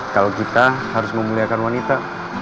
kalau kita harus memuliakan wanita